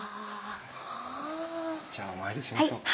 じゃあお参りしましょう。